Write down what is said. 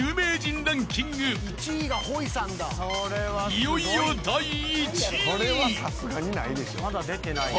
［いよいよ第１位！］